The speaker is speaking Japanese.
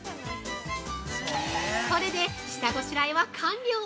◆これで下ごしらえは完了。